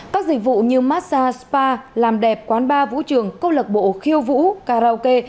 các dịch vụ như massage spa làm đẹp quán bar vũ trường công lập bộ khiêu vũ karaoke